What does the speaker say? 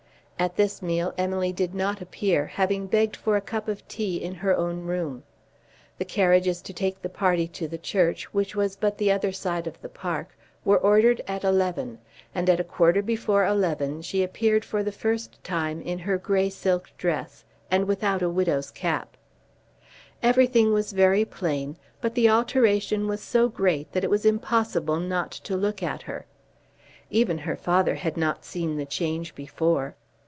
At this meal Emily did not appear, having begged for a cup of tea in her own room. The carriages to take the party to the church, which was but the other side of the park, were ordered at eleven, and at a quarter before eleven she appeared for the first time in her grey silk dress, and without a widow's cap. Everything was very plain, but the alteration was so great that it was impossible not to look at her. Even her father had not seen the change before.